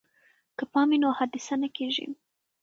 که پام وي نو حادثه نه کیږي.